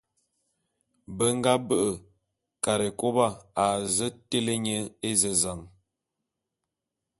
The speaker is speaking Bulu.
Be nga be'e Karekôba a zu télé nye ézezan.